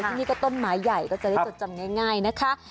ที่นี่ก็ต้นไม้ใหญ่ก็จะได้จดจำง่ายนะคะ